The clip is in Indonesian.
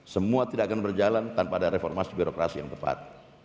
semua tidak akan berjalan tanpa ada reformasi birokrasi yang tepat